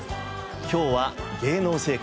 今日は芸能生活